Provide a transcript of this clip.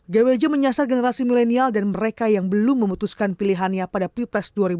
gwj menyasar generasi milenial dan mereka yang belum memutuskan pilihannya pada pilpres dua ribu sembilan belas